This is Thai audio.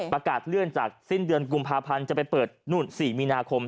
ประกาศเลื่อนจากสิ้นเดือนกุมภาพันธ์จะไปเปิดนู่น๔มีนาคม